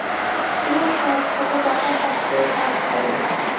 এ অ্যাপগুলো ডাটা সাশ্রয়ে কাজ করে।